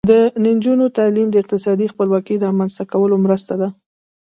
د نجونو تعلیم د اقتصادي خپلواکۍ رامنځته کولو مرسته ده.